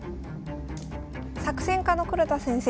作戦家の黒田先生